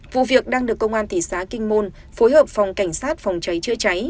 vụ việc đang được công an thị xã kinh môn phối hợp phòng cảnh sát phòng cháy chữa cháy